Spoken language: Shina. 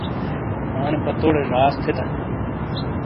انے پتوڑے جاس تھیتا۔